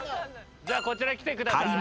じゃあこちら来てください。